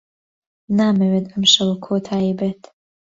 نامەوێت ئەم شەوە کۆتایی بێت.